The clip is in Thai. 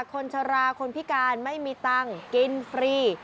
คนชะลาคนพิการไม่มีตังค์กินฟรี